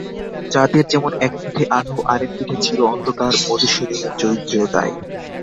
চাঁদের যেমন এক পিঠে আলো আর-এক পিঠে চির-অন্ধকার, মধুসূদনের চরিত্রেও তাই।